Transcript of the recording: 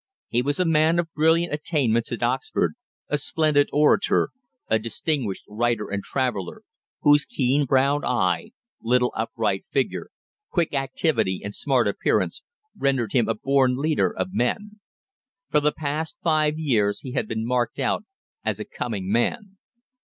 He was a man of brilliant attainments at Oxford, a splendid orator, a distinguished writer and traveller, whose keen brown eye, lithe upright figure, quick activity, and smart appearance, rendered him a born leader of men. For the past five years he had been marked out as a "coming man."